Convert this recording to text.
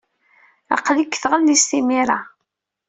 Aql-ik deg tɣellist imir-a.